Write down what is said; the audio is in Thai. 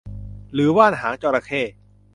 หรือว่านหางจระเข้